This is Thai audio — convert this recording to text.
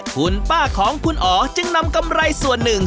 คุณป้าของคุณอ๋อจึงนำกำไรส่วนหนึ่ง